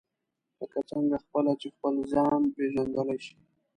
لکه څنګه خپله چې خپل ځان پېژندلای شئ.